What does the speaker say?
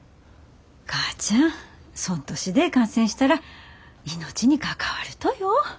母ちゃんそん年で感染したら命に関わるとよ。